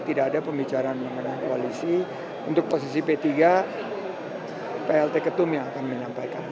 tidak ada pembicaraan mengenai koalisi untuk posisi p tiga plt ketum yang akan menyampaikan